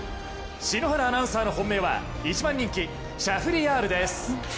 篠原アナウンサーの本命は一番人気シャフリヤールです。